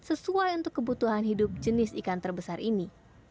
sesuai untuk kebutuhan hidup jenis ikan terbesar ini